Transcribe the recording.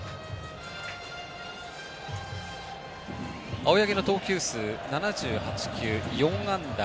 青柳の投球数７８球、４安打。